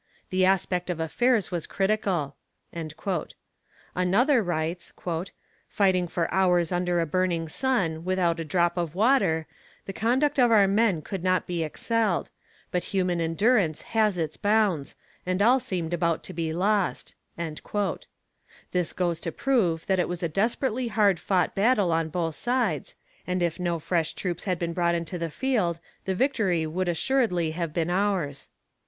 The aspect of affairs was critical." Another writes: "Fighting for hours under a burning sun, without a drop of water, the conduct of our men could not be excelled; but human endurance has its bounds, and all seemed about to be lost." This goes to prove that it was a desperately hard fought battle on both sides, and if no fresh troops had been brought into the field, the victory would assuredly have been ours.